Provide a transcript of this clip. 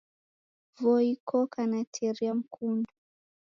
Voi koka na teri ya mkundu.